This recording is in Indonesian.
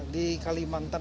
di kalimantan utama